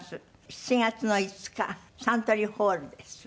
７月の５日サントリーホールです。